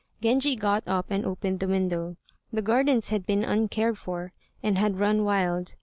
Genji got up and opened the window. The gardens had been uncared for, and had run wild.